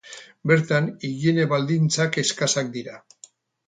Bertan, higiene baldintzak eskasak dira.